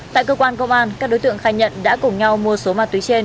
tại cơ quan công an các đối tượng khai nhận đã cùng nhau mua số ma túy trên